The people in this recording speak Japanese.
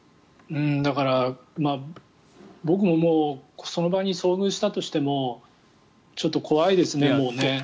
だから、僕ももうその場に遭遇したとしてもちょっと怖いですね、もうね。